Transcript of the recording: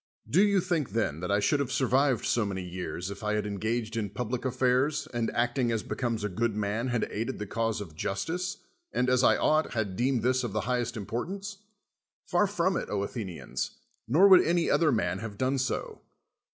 Do you think, then, that I should have sur vived so many years if I had engaged in public affairs, and, acting as becomes a good man, had aided the cause of justice, and, as I ought, had deemed this of the highest importance? Par from it, Athenians : nor would any other man have done so.